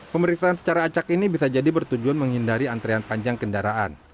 pemeriksaan secara acak ini bisa jadi bertujuan menghindari antrian panjang kendaraan